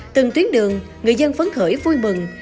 từng tuyến đường người dân phấn khởi vui mừng